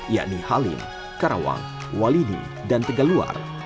yakni halim karawang walini dan tegaluar